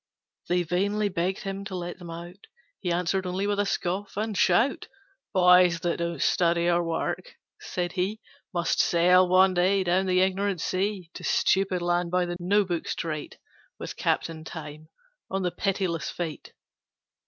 They vainly begged him to let them out, He answered only with scoff and shout. 'Boys that don't study or work,' said he, 'Must sail one day down the Ignorant Sea To Stupid Land by the No Book Strait, With Captain Time on the Pitiless Fate.